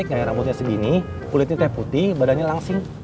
gaya rambutnya segini kulitnya putih badannya langsing